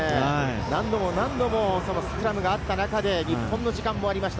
何度もスクラムがあった中で、日本の時間もありました。